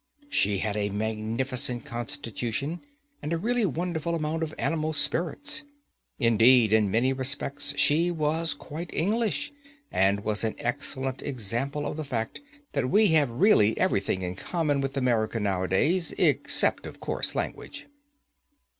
She had a magnificent constitution, and a really wonderful amount of animal spirits. Indeed, in many respects, she was quite English, and was an excellent example of the fact that we have really everything in common with America nowadays, except, of course, language.